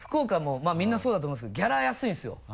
みんなそうだと思うんですけどギャラ安いんですよ。